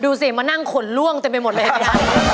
ดูสิมานั่งขนล่วงเต็มไปหมดเลยครับ